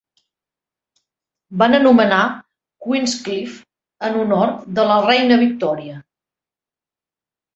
Van anomenar Queenscliff en honor de la reina Victòria.